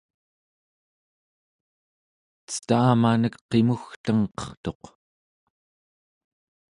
cetamanek qimugtengqertuq